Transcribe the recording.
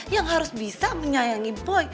yang harus bisa menyayangi poin